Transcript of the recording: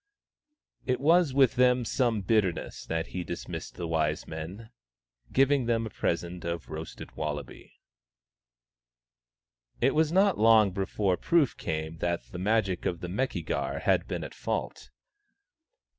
It was with some bitterness that he dismissed the wise men, giving them a present of roasted wallaby. THE STONE AXE OF BURKAMUKK 21 It was not long before proof came that the Magic of the Meki gar had been at fault.